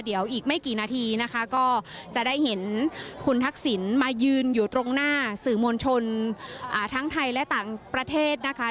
เดี๋ยวอีกไม่กี่นาทีนะคะก็จะได้เห็นคุณทักษิณมายืนอยู่ตรงหน้าสื่อมวลชนทั้งไทยและต่างประเทศนะคะ